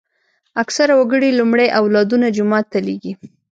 اکثره وګړي لومړی اولادونه جومات ته لېږي.